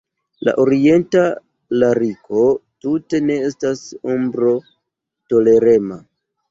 La orienta lariko tute ne estas ombro-tolerema.